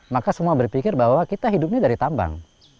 maka semua berpikir bahwa kita hidupnya dari tambang